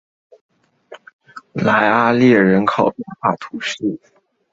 莱阿列人口变化图示